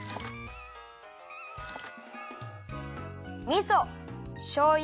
みそしょうゆ。